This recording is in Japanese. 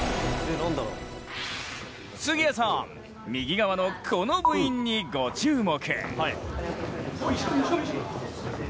杉谷さん、右側のこの部員にご注目。